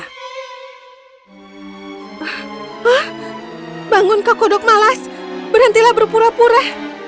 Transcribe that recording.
hah bangun ke kodok malas berhentilah berpura pura